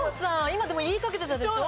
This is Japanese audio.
今でも言いかけてたでしょ？